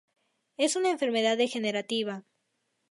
Es una enfermedad degenerativa.